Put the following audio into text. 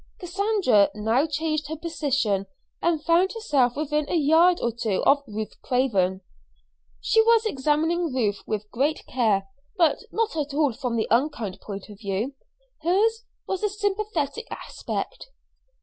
Cassandra now changed her position, and found herself within a yard or two of Ruth Craven. She was examining Ruth with great care, but not at all from the unkind point of view; hers was a sympathetic aspect.